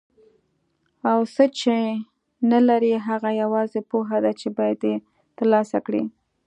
او څه چې نه لري هغه یوازې پوهه ده چې باید یې ترلاسه کړي.